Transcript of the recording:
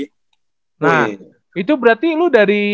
nah itu berarti lu dari